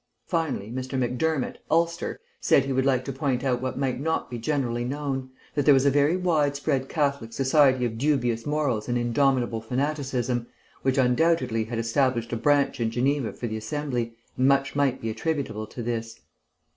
Finally Mr. Macdermott (Ulster) said he would like to point out what might not be generally known, that there was a very widespread Catholic society of dubious morals and indomitable fanaticism, which undoubtedly had established a branch in Geneva for the Assembly, and much might be attributable to this.